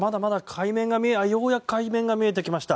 ようやく海面が見えてきました。